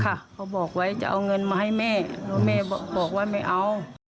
เขาบอกไว้จะเอาเงินมาให้แม่แล้วแม่บอกว่าไม่เอา